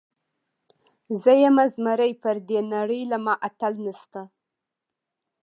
زۀ يم زمری پر دې نړۍ له ما اتل نيشته